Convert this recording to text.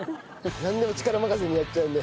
なんでも力任せにやっちゃうんで。